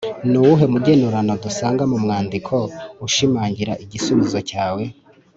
Ni uwuhe mugenurano dusanga mu mwandiko ushimangira igisubizo cyawe?